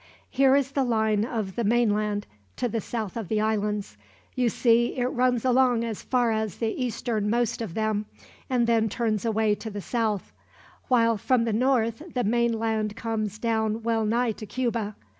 "Here is the line of the mainland, to the south of the islands. You see it runs along as far as the easternmost of them, and then turns away to the south; while from the north the mainland comes down well nigh to Cuba.